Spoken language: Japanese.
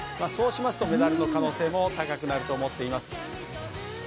そうしますとメダルの可能性も高くなると思っています。